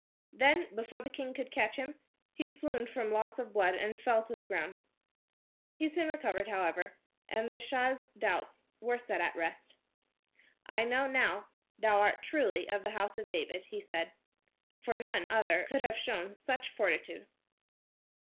Then, before the king could catch him, he swooned from loss of blood, and fell to the ground. He soon recovered, however, and the Shah's doubts were set at rest. "I know now thou art truly of the House of David," he said, "for none other could have shown such fortitude."